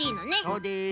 そうです。